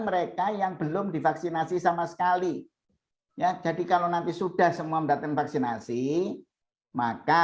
mereka yang belum divaksinasi sama sekali ya jadi kalau nanti sudah semua mendatang vaksinasi maka